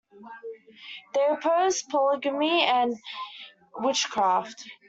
They oppose polygamy and witchcraft.